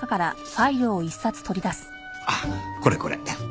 ああこれこれ。